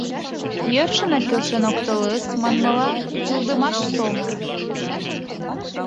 Йӧршынак келшен ок толыс, манмыла, кӱлдымаш сомыл.